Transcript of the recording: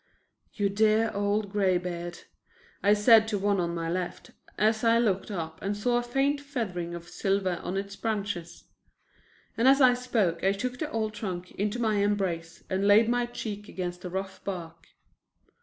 "You dear old graybeard," I said to the one on my left, as I looked up and saw a faint feathering of silver on its branches. And as I spoke I took the old trunk into my embrace and laid my cheek against the rough bark.